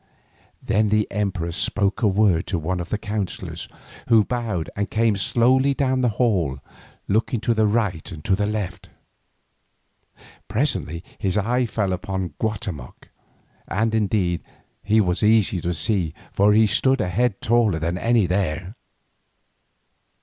Then the emperor spoke a word to one of the counsellors, who bowed and came slowly down the hall looking to the right and to the left. Presently his eye fell upon Guatemoc, and, indeed, he was easy to see, for he stood a head taller than any there.